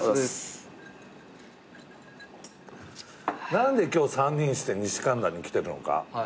何で今日３人して西神田に来てるのか。